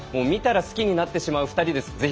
見たら好きになってしまう２人です。